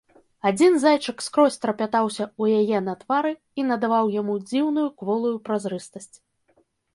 Адзін зайчык скрозь трапятаўся ў яе на твары і надаваў яму дзіўную кволую празрыстасць.